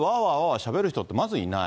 しゃべる人ってまずいない。